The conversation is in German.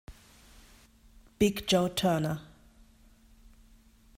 Big Joe Turner.